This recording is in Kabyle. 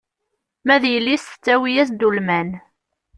Ma d yelli-s tettawi-as-d ulman.